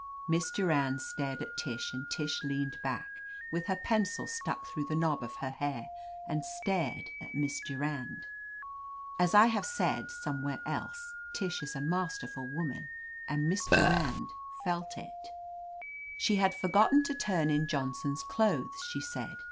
Miss Durand stared at Tish and Tish leaned back, with her pencil stuck through the knob of her hair, and stared at Miss Durand. As I have said somewhere else, Tish is a master ful woman, and Miss Durand felt it "She had forgotten to turn in Johnson's clothes," she said.